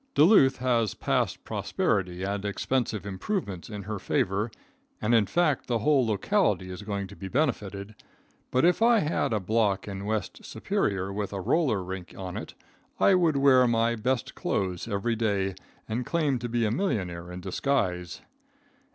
Duluth has past prosperity and expensive improvements in her favor, and in fact the whole locality is going to be benefited, but if I had a block in West Superior with a roller rink on it, I would wear my best clothes every day and claim to be a millionaire in disguise.